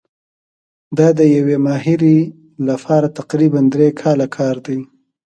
دا د یوې ماهرې لپاره تقریباً درې کاله کار دی.